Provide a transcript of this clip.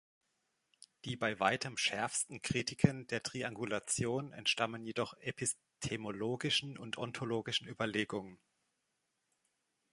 Die bei weitem schärfsten Kritiken der Triangulation entstammen jedoch epistemologischen und ontologischen Überlegungen.